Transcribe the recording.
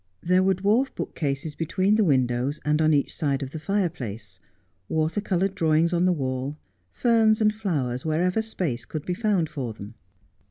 There were dwarf bookcases between the windows, and on each side of the fireplace ; water coloured drawings on the wall ; ferns and flowers wherever space could be found for them.